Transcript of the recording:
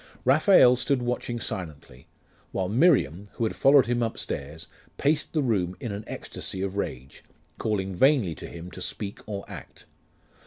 Raphael stood watching silently, while Miriam, who had followed him upstairs, paced the room in an ecstasy of rage, calling vainly to him to speak or act.